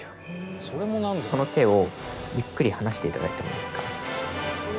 その手をゆっくり離して頂いてもいいですか。